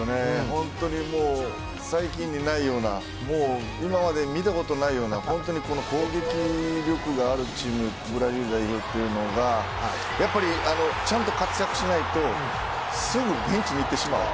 本当に最近にないような今まで見たことないような本当にこの攻撃力があるチームブラジル代表というのがやっぱりちゃんと活躍しないとすぐベンチに行ってしまう。